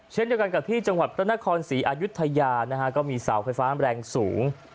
เช่นเดียวกันกับที่จังหวัดพระนครศรีอายุทยานะฮะก็มีเสาไฟฟ้าแรงสูง